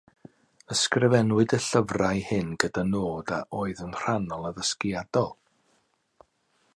Ysgrifennwyd y llyfrau hyn gyda nod a oedd yn rhannol addysgiadol.